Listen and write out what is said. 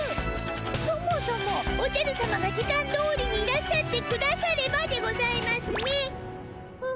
そもそもおじゃるさまが時間どおりにいらっしゃってくださればでございますねハッ。